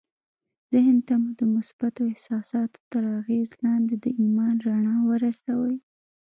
ذهن ته مو د مثبتو احساساتو تر اغېز لاندې د ايمان رڼا ورسوئ.